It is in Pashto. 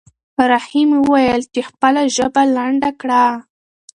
رحیم وویل چې خپله ژبه لنډه کړه.